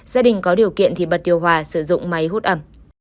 gia đình có điều kiện thì bật điều hòa sử dụng máy hút ẩm